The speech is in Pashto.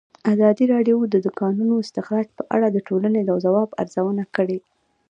ازادي راډیو د د کانونو استخراج په اړه د ټولنې د ځواب ارزونه کړې.